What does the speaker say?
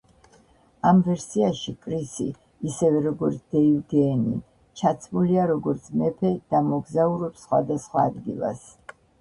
ამ ვერსიაში კრისი, ისევე როგორც დეივ გეენი, ჩაცმულია როგორც მეფე და მოგზაურობს სხვადასხვა ადგილას.